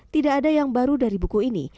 tidak ada yang baru dari buku ini